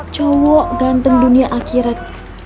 cowo ganten dunia akhirat